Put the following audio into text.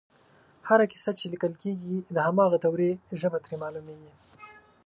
هره کیسه چې لیکل کېږي د هماغې دورې ژبه ترې معلومېږي